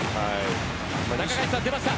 中垣内さん、出ました。